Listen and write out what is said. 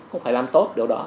cũng phải làm tốt điều đó